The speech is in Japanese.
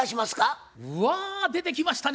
うわ出てきましたね。